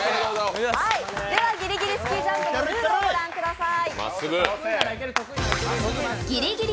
「ぎりぎりスキージャンプ」のルールをご覧ください。